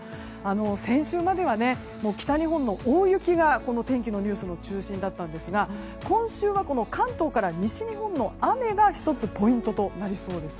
先週までは北日本の大雪が天気のニュースの中心だったんですが今週は、関東から西日本の雨が１つ、ポイントとなりそうです。